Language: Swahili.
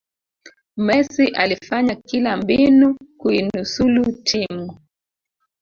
messi alifanya kila mbinu kuinusulu timu